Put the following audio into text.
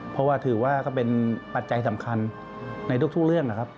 เพราะว่าถือว่าก็เป็นปัจจัยสำคัญในทุกเรื่องนะครับ